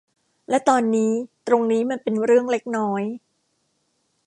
และตอนนี้ตรงนี้มันเป็นเรื่องเล็กน้อย